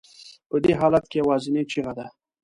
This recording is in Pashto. په دې حالت کې یوازینۍ چیغه ده.